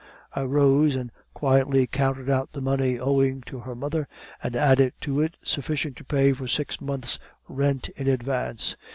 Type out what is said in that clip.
"I rose and quietly counted out the money owing to her mother, and added to it sufficient to pay for six months' rent in advance.